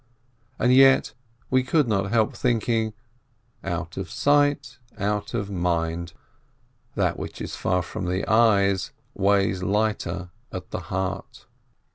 And yet we could not help thinking, "Out of sight, out of mind," that which is far from the eyes, weighs lighter at the heart.